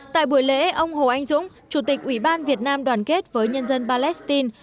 tại buổi lễ ông hồ anh dũng chủ tịch ủy ban việt nam đoàn kết với nhân dân palestine